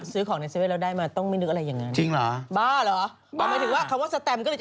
ซื้อของในเซเวสเราได้มาต้องไม่นึกอะไรอย่างเงี้ย